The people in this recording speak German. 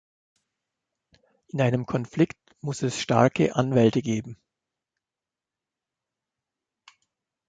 In einem Konflikt muss es starke Anwälte geben.